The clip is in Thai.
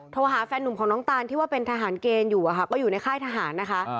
โทรหาแฟนหนุ่มของน้องตานที่ว่าเป็นทหารเกณฑ์อยู่ก็อยู่ในค่ายทหารนะคะ